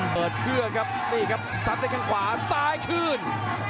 เปิดเครื่องครับนี่ครับสัดได้ข้างขวาซ้ายขึ้น